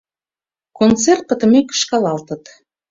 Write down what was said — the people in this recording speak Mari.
Концерт пытымек кышкалалтыт